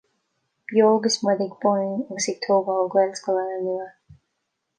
Beo agus muid ag bunú agus ag tógáil Gaelscoileanna nua